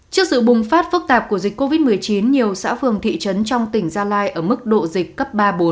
trước sự bùng phát phức tạp của dịch covid một mươi chín nhiều xã phường thị trấn trong tỉnh gia lai ở mức độ dịch cấp ba bốn